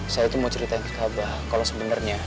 saya itu mau ceritain ke abah kalau sebenarnya